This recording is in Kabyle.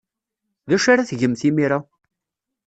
D acu ara tgemt imir-a?